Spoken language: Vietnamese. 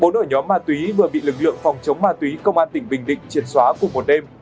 bốn ổ nhóm ma túy vừa bị lực lượng phòng chống ma túy công an tỉnh bình định triệt xóa cùng một đêm